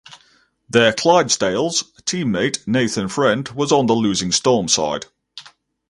Their Clydesdales teammate Nathan Friend was on the losing Storm side.